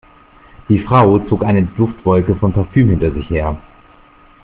Die Frau zog eine Duftwolke von Parfüm hinter sich her.